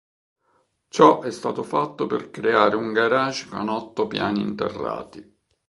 Ciò è stato fatto per creare un garage con otto piani interrati.